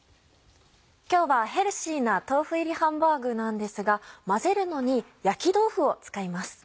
今日はヘルシーな豆腐入りハンバーグなんですが混ぜるのに焼き豆腐を使います。